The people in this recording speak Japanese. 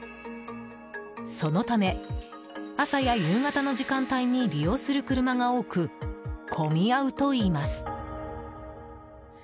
そのため、朝や夕方の時間帯に利用する車が多く混み合うといいます。